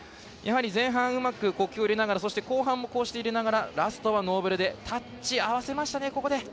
前半、うまく呼吸を入れながらそして後半も入れながらラストはノーブレでタッチを合わせましたね。